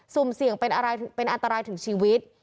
สุ่มเสี่ยงเป็นอันตรายถึงชีวิต